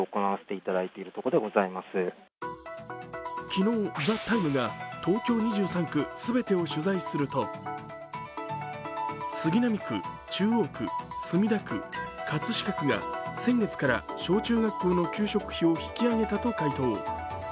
昨日、「ＴＨＥＴＩＭＥ，」が東京２３区すべてを取材すると杉並区、中央区、墨田区、葛飾区が先月から小中学校の給食費を引き上げたと回答。